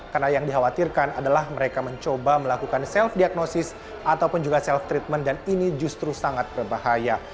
karena yang dikhawatirkan adalah mereka mencoba melakukan self diagnosis ataupun juga self treatment dan ini justru sangat berbahaya